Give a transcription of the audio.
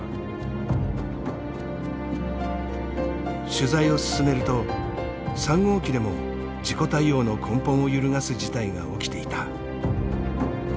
取材を進めると３号機でも事故対応の根本を揺るがす事態が起きていた。